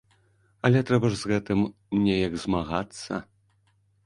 Але трэба ж з гэтым неяк змагацца.